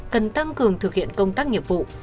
cần tăng cường thực hiện công tác nghiệp vụ